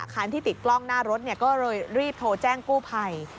คันที่ติดกล้องหน้ารถก็เลยรีบโทรแจ้งกู้ภัย